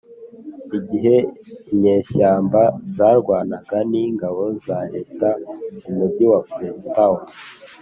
igihe inyeshyamba zarwanaga n ingabo za leta mu mugi wa Freetown